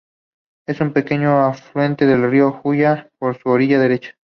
Es un pequeño afluente del río Ulla, por su orilla derecha.